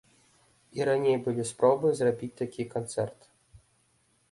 І раней былі спробы зрабіць такі канцэрт.